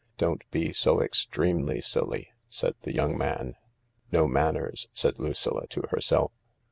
"Don't be so extremely silly," said the young man. (" No manners," said Lucilla to herself.)